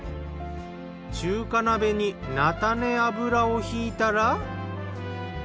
中華鍋に菜種油をひいたら。